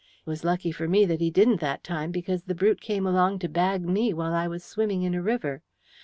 It was lucky for me that he didn't that time, because the brute came along to bag me while I was swimming in a river.